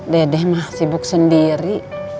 dede mah sibuk sendiri